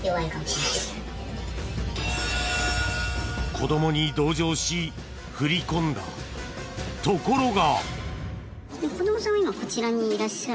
子どもに同情し振り込んだところが！